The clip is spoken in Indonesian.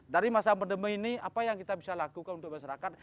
dari masa pandemi ini apa yang kita bisa lakukan untuk masyarakat